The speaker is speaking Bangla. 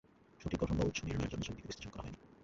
সঠিক গঠন বা উৎস নির্ণয়ের জন্য ছবিটিকে বিশ্লেষণ করা হয়নি।